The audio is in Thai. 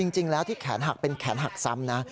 จริงแล้วที่แขนหักเป็นแขนหักซ้ำนะ